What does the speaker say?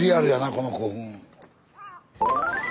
この古墳。